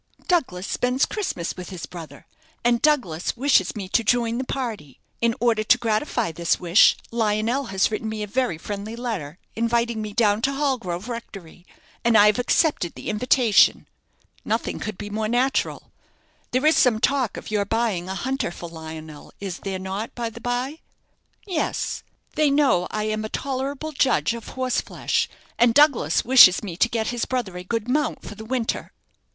"Douglas spends Christmas with his brother, and Douglas wishes me to join the party. In order to gratify this wish, Lionel has written me a very friendly letter, inviting me down to Hallgrove Rectory, and I have accepted the invitation." "Nothing could be more natural. There is some talk of your buying a hunter for Lionel, is there not, by the bye?" "Yes. They know I am a tolerable judge of horseflesh, and Douglas wishes me to get his brother a good mount for the winter."